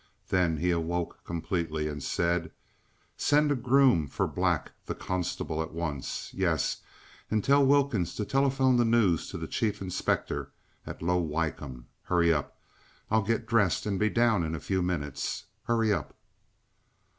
Then he awoke completely and said: "Send a groom for Black the constable at once. Yes and tell Wilkins to telephone the news to the Chief Inspector at Low Wycombe. Hurry up! I'll get dressed and be down in a few minutes. Hurry up!"